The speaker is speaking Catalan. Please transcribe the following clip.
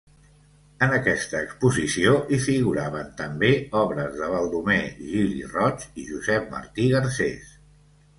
En aquesta exposició hi figuraven, també, obres de Baldomer Gili Roig i Josep Martí Garcés.